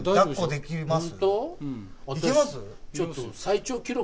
できます？